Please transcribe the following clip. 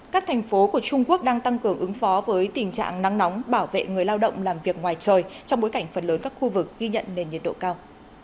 các thành phố của trung quốc đang tăng cường ứng phó với tình trạng nắng nóng bảo vệ người lao động làm việc ngoài trời trong bối cảnh phần lớn các khu vực ghi nhận nền nhiệt độ cao